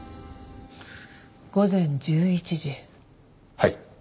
はい。